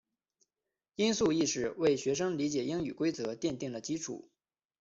音素意识为学生理解英语规则奠定了基础。